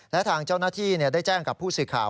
และทางเจ้าหน้าที่ได้แจ้งกับผู้สื่อข่าว